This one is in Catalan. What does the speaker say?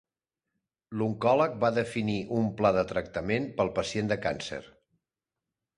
L'oncòleg va definir un pla de tractament per al pacient de càncer.